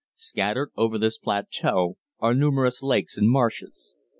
Scattered over this plateau are numerous lakes and marshes.